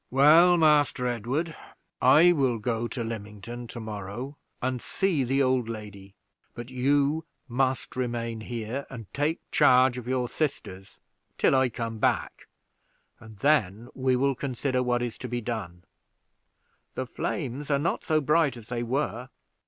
"Well, Master Edward, I will go to Lymington to morrow and see the old lady; but you must remain here, and take charge of your sisters till I come back, and then we will consider what is to be done. The flames are not so bright as they were."